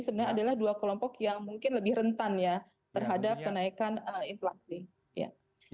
sebenarnya adalah dua kelompok yang mungkin lebih rentan ya terhadap kenaikan inflasi